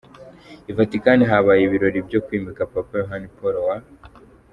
I Vatican habaye ibirori byo kwimika Papa Yohani Paul wa .